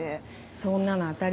そんなの当たり前。